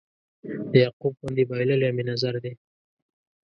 د یعقوب غوندې بایللی مې نظر دی